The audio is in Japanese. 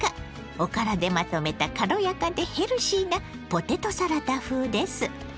おからでまとめた軽やかでヘルシーなポテトサラダ風です。